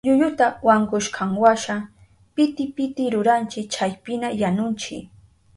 Yuyuta wankushkanwasha piti piti ruranchi chaypiña yanunchi.